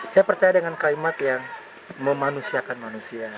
saya percaya dengan kalimat yang memanusiakan manusia